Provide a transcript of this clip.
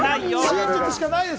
真実しかないです！